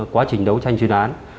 quá trình đấu tranh chuyên án